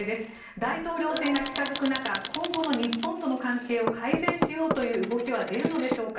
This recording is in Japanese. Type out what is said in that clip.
大統領選が近づく中今後の日本との関係を改善しようという動きは出るのでしょうか。